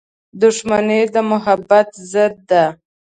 • دښمني د محبت ضد ده.